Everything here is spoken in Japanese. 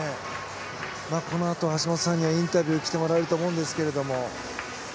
このあと橋本さんにはインタビューに来てもらえると思うんですけれども。